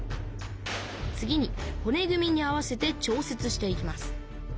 次にほね組みに合わせて調節していきます。